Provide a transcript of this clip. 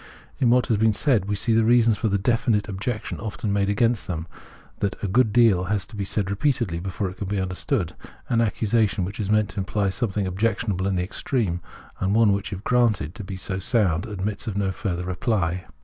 In w^hat has been said we see the reason for the definite objection often made against them, that a good deal has to be read repeatedly before it can be understood — an accusa tion which is meant to imply something objectionable in the extreme, and one which if granted to be sound admits of no further reply.